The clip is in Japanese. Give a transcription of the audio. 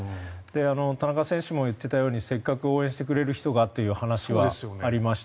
田中選手も言っていたようにせっかく応援してくれる人がという話はありました。